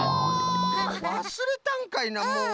わすれたんかいなもう！